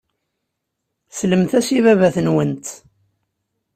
Slemt-as i baba-twent.